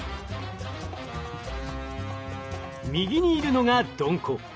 右にいるのがドンコ。